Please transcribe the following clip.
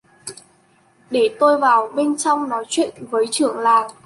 Để tôi vào bên trong nói chuyện với trưởng làng